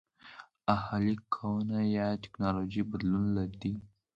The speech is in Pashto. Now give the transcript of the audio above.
اهلي کونه یو ټکنالوژیکي بدلون دی